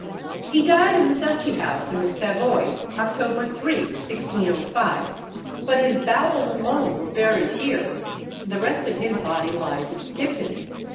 He died in the Duchy House in the Savoy, October 3, 1605; but his bowels alone were buried here, the rest of his body lies at Skipton.